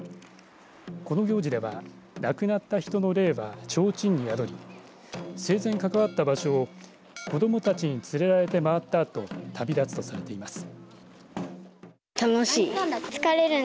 この行事では亡くなった人の霊はちょうちんに宿り生前、関わった場所を子どもたちに連れられて回ったあと旅立つとされています。